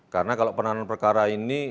karena kalau penanganan perkara ini